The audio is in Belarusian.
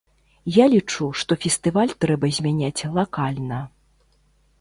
Я лічу, што фестываль трэба змяняць лакальна.